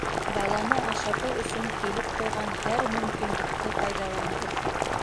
Баланы ашатыу өсөн килеп тыуған һәр мөмкинлекте файҙаланығыҙ.